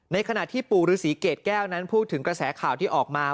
ในขณะที่ปู่ฤษีเกรดแก้วนั้นพูดถึงกระแสข่าวที่ออกมา